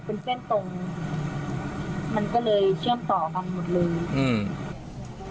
เป็นเส้นตรงมันก็เลยเชื่อมต่อกันหมดเลยอืม